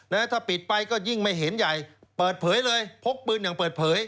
ถ้าปิดไปก็ยิ่งไม่เห็นใหญ่เปิดเผยเลยพกปืนอย่างเปิดเผย